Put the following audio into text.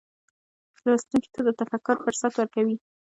لوستونکي ته د تفکر فرصت ورکوي.